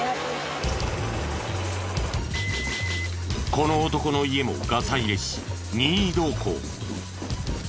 この男の家もガサ入れし任意同行。